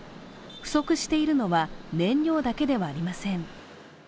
不足しているのは燃料だけではありません。